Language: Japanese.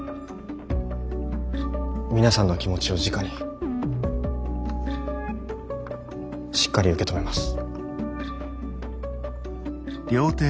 皆さんの気持ちをじかにしっかり受け止めます。